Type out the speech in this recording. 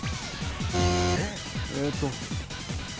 えーっと。